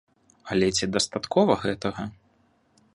Але ці дастаткова гэтага?